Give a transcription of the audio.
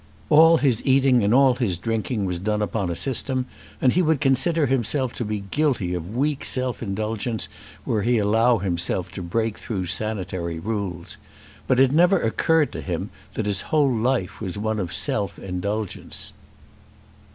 All his eating and all his drinking was done upon a system, and he would consider himself to be guilty of weak self indulgence were he to allow himself to break through sanitary rules. But it never occurred to him that his whole life was one of self indulgence.